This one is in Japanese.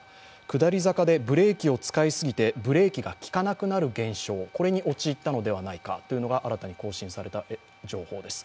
下り坂でブレーキを使いすぎて、ブレーキが利かなくなる現象、これに陥ったのではないかというのが新たに更新された情報です。